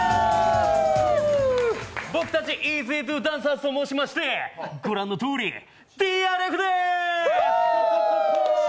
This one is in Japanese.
僕たちイージードゥダンサーズと申しましてご覧のとおりＴＲＦです！